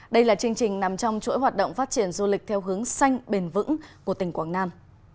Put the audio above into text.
đây là chương trình nằm trong chuỗi hoạt động phát triển du lịch theo hướng xanh bền vững của tỉnh quảng nam